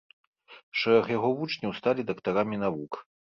Шэраг яго вучняў сталі дактарамі навук.